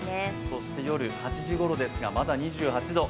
そして夜８時ごろですが、まだ２８度。